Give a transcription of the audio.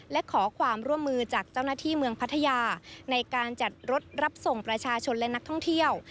และขอความร่วมมือจากเจ้าหน้าที่เมืองพัทยาในการจัดรถรับส่งประชาชนและนักท่องเที่ยว